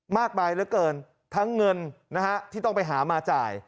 ใบเหลือเกินทั้งเงินนะฮะที่ต้องไปหามาจ่าย